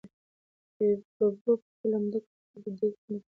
ببو په خپله لمده ګوته د دېګ خوند وکتل.